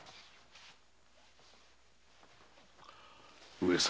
上様